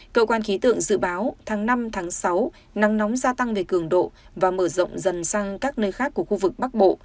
cơ quan khí tượng dự báo tháng năm tháng sáu nắng nóng gia tăng về cường độ và mở rộng dần sang các nơi khác của khu vực bắc bộ